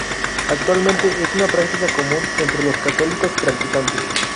Actualmente es una práctica común entre los católicos practicantes.